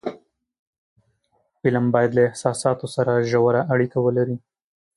فلم باید له احساساتو سره ژور اړیکه ولري